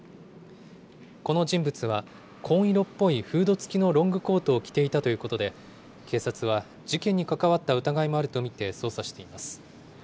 この人物は、紺色っぽいフードつきのロングコートを着ていたということで、警察は事件に関わった疑いもあると見て、捜査しています。